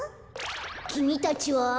きみたちは？